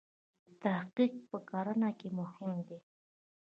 تحقیق په کرنه کې مهم دی.